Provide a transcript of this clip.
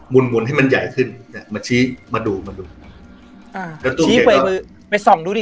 มุนมุนให้มันใหญ่ขึ้นเนี่ยมาชี้มาดูมาดูอ่าไปส่องดูดิ